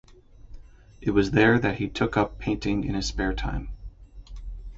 It was there that he took up painting in his spare time.